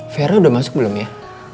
vera udah masuk belum ya